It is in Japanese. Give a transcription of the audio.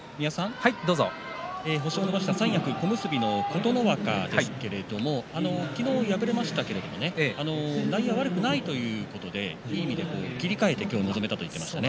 星を伸ばした三役小結の琴ノ若ですけれども昨日、敗れましたけれど内容は悪くないということでいい意味で切り替えて今日臨めたと言ってました。